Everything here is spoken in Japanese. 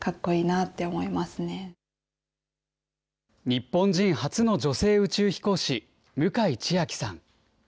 日本人初の女性宇宙飛行士、向井千秋さん。